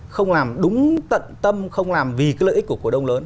không làm đúng tận tâm không làm vì cái lợi ích của cổ đông lớn